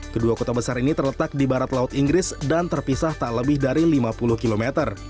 kedua kota besar ini terletak di barat laut inggris dan terpisah tak lebih dari lima puluh km